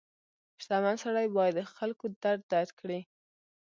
• شتمن سړی باید د خلکو درد درک کړي.